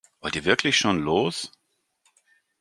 Wollt ihr wirklich schon los?